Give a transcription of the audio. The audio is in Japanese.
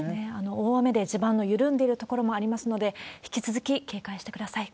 大雨で地盤の緩んでいる所もありますので、引き続き警戒してください。